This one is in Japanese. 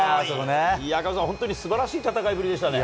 赤星さん、本当にすばらしい戦いでしたね。